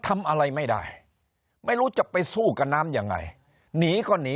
ทำอะไรไม่ได้ไม่รู้จะไปสู้กับน้ำยังไงหนีก็หนี